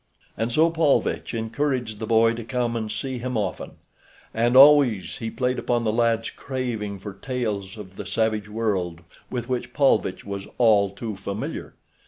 And so Paulvitch encouraged the boy to come and see him often, and always he played upon the lad's craving for tales of the savage world with which Paulvitch was all too familiar.